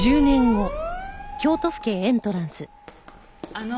あの。